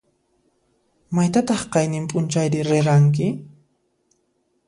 Maytataq qayninp'unchayri riranki?